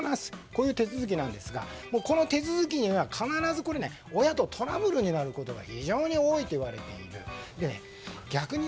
こういう手続きなんですがこの手続きには親とトラブルになることが非常に多いといわれている。